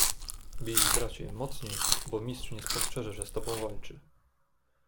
"Bij, bracie, mocniej, bo mistrz nie spostrzeże, że z tobą walczy."